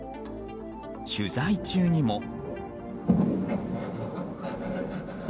取材中にも。